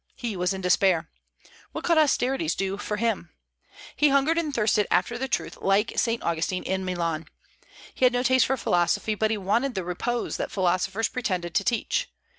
He was in despair. What could austerities do for him? He hungered and thirsted after the truth, like Saint Augustine in Milan. He had no taste for philosophy, but he wanted the repose that philosophers pretended to teach.